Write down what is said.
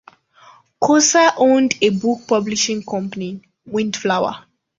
Kooser owned a book publishing company, Windflower.